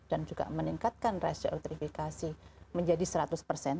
dan juga meningkatkan rasio elektrifikasi menjadi seratus persen